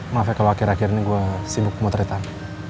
maaf ya kalau akhir akhir ini gue sibuk memotretan